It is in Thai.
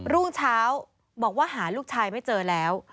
รุ่งเช้าบอกว่าหาลูกชายไม่เจอแล้ว